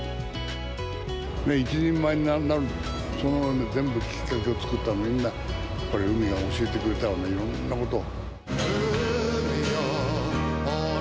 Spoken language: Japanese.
一人前になる、その全部、きっかけを作ったのは、みんなやっぱり海が教えてくれたよね、いろんなことを。